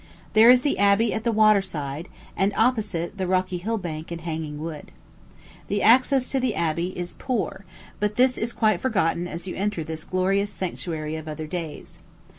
There is the abbey at the water side, and opposite the rocky hill bank and hanging wood. The access to the abbey is poor, but this is quite forgotten as you enter this glorious sanctuary of other days.